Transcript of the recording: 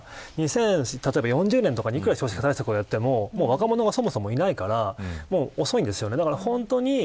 母数が減っちゃうから２０４０年とかに、いくら少子化対策をやっても若者がいないから遅いんですよね。